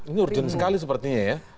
ini urgent sekali sepertinya ya